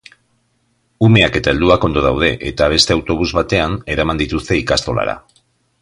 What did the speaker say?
Umeak eta helduak ondo daude, eta beste autobus batean eraman dituzte ikastolara.